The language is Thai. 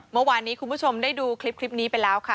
เมื่อวานนี้คุณผู้ชมได้ดูคลิปนี้ไปแล้วค่ะ